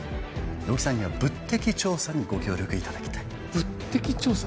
乃木さんには物的調査にご協力いただきたい物的調査？